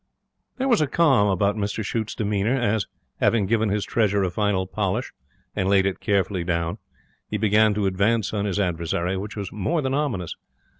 There was a calm about Mr Shute's demeanour as, having given his treasure a final polish and laid it carefully down, he began to advance on his adversary, which was more than ominous.